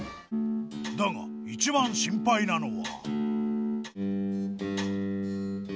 だが、一番心配なのは。